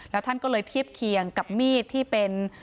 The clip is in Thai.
แล้วท่านก็เลยเทียบเคียงกับมีดที่เป็น